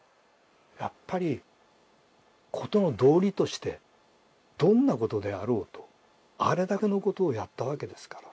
やっぱり事の道理としてどんなことであろうとあれだけのことをやったわけですから。